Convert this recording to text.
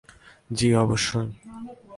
জ্বি, অবশ্যই।